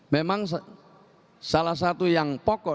memang salah satu yang pokok